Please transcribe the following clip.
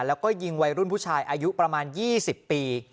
แล้วก็ยิงวัยรุ่นผู้ชายอายุประมาณ๒๐ปี